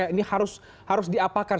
ini harus diapakan